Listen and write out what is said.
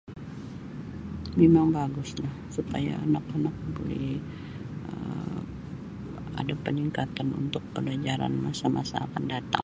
Mimang baguslah supaya anak-anak buli um ada' paningkatan untuk palajaran masa-masa akan datang.